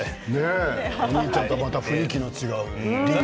お兄ちゃんとまた雰囲気の違う。